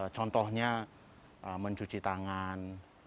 contohnya mencuci tangan